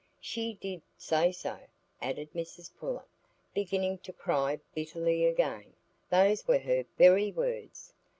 She did say so," added Mrs Pullet, beginning to cry bitterly again; "those were her very words.